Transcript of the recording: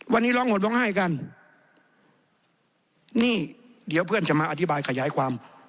วันนี้ร้องหดร้องไห้กันนี่เดี๋ยวเพื่อนจะมาอธิบายขยายความ